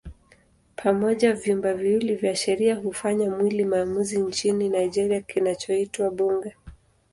Pamoja vyumba viwili vya sheria hufanya mwili maamuzi nchini Nigeria kinachoitwa Bunge.